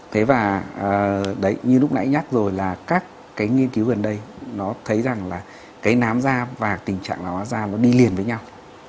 thế và đấy như lúc nãy nhắc rồi là các cái nghiên cứu gần đây nó thấy rằng là cái nám da và tình trạng là hóa da nó đi liền với nhau